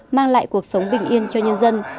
mang lại cuộc sống bình yên cho nhân dân